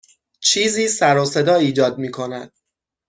چیزی سر و صدا ایجاد می کند.